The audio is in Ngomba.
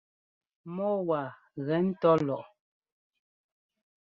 Mɔ́ɔ waa gɛ́ ńtɔ́ lɔʼɔ.